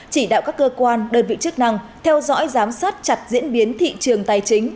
chỉ đạo các cơ quan đơn vị chức năng theo dõi giám sát chặt diễn biến thị trường tài chính